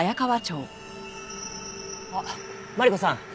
あっマリコさん。